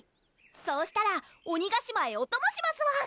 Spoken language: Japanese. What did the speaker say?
そうしたら鬼ヶ島へおともしますワン！